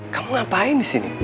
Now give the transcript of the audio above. kamu ngapain disini